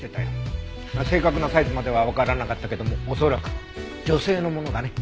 正確なサイズまではわからなかったけども恐らく女性のものだね。